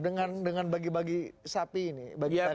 dengan bagi bagi sapi ini